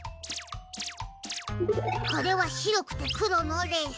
これはしろくてくろのレース。